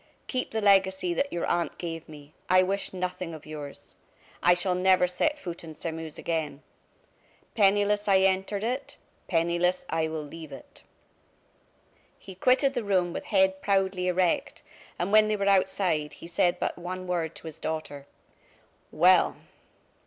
"Keep the legacy that your aunt gave me, I wish nothing of yours. I shall never set foot in Sairmeuse again. Penniless I entered it, penniless I will leave it!" He quitted the room with head proudly erect, and when they were outside, he said but one word to his daughter: "Well!"